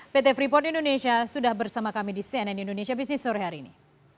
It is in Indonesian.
pt freeport indonesia sudah bersama kami di cnn indonesia business sore hari ini